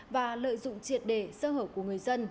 và lợi dụng triệt đề sơ hở của người dân